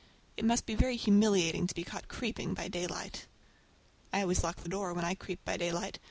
It must be very humiliating to be caught creeping by daylight! I always lock the door when I creep by daylight.